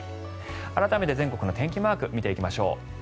改めて全国の天気マークを見ていきましょう。